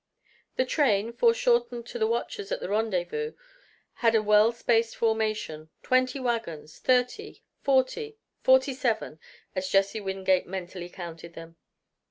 The train, foreshortened to the watchers at the rendezvous, had a well spaced formation twenty wagons, thirty, forty, forty seven as Jesse Wingate mentally counted them.